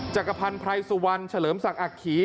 จักรพันธ์ไพรสุวรรณเฉลิมศักดิ์อักขี